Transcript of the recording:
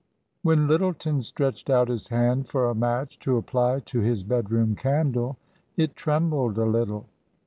When Lj^tleton stretched out his hand for a match to apply to his bedroom candle, it trembled a little.